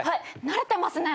慣れてますね。